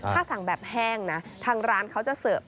ถ้าสั่งแบบแห้งนะทางร้านเขาจะเสิร์ฟ